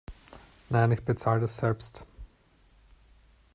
Nein, ich bezahle das selbst.